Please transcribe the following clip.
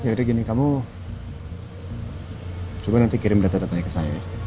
yaudah gini kamu coba nanti kirim data datanya ke saya